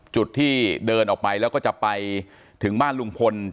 จุดที่เดินออกไปแล้วก็จะไปถึงบ้านลุงพล